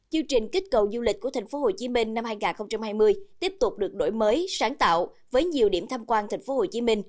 chương trình kích cầu du lịch của tp hcm năm hai nghìn hai mươi tiếp tục được đổi mới sáng tạo với nhiều điểm tham quan tp hcm